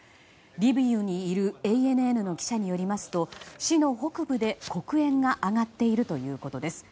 リビウにいるＡＮＮの記者によりますと市の北部で黒煙が上がっているということです。